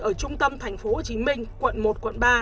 ở trung tâm tp hcm quận một quận ba